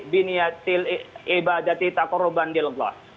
biniatil ibadati takoruban di allah